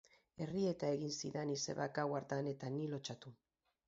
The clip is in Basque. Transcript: Errieta egin zidan izebak gau hartan, eta ni lotsatu.